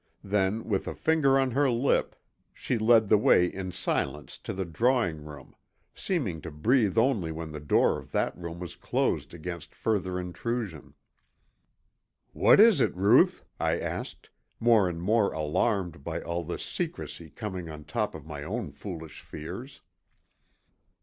Then with a finger on her lip, she led the way in silence to the drawing room, seeming to breathe only when the door of that room was closed against further intrusion. "What is it, Ruth?" I asked, more and more alarmed by all this secrecy coming on top of my own foolish fears.